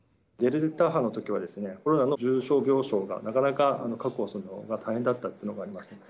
デルタ株のときはコロナの重症病床が、なかなか確保するのが大変だったというのがあります。